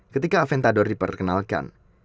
ketika aventador diperkenalkan